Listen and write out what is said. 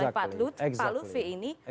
oleh pak lutfi ini